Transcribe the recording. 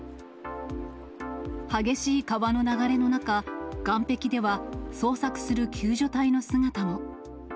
激しい川の流れの中、岸壁では捜索する救助隊の姿も。